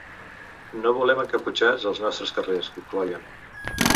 No volem encaputxats als nostres carrers, concloïen.